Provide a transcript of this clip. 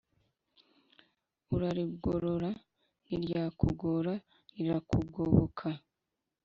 urarigorora ntiryakugora rirakugoboka